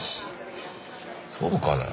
そうかなぁ。